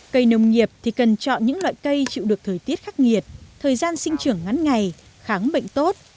cây nông nghiệp thì cần chọn những loại cây chịu được thời tiết khắc nghiệt thời gian sinh trưởng ngắn ngày khám bệnh tốt